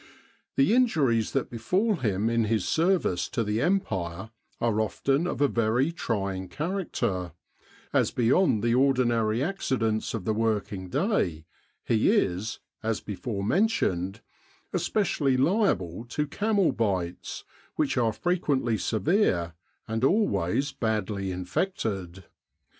The injuries that befall him in his service to the Empire are often of a very trying character, as beyond' the ordinary accidents of the working day, he is, as before men tioned, especially liable to camel bites, which are fre quently severe and always badly infected.